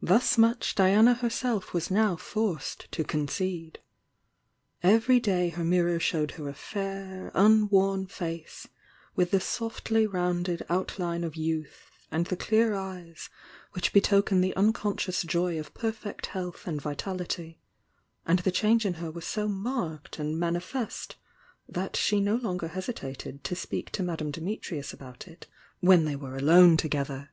Thus much Diana herseli was now forced to concede. Every day her mirror showed her a fair, unworn face, with the softly rounded outline of youth, and the clear eyes which betoken the unconscious joy of perfect health and vitality, and the change in her was so marked and manifest that she no longer hesitated to speak to Madame Dimitrius about it when they were alone together.